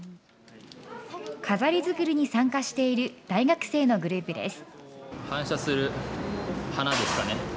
飾り作りに参加している大学生のグループです。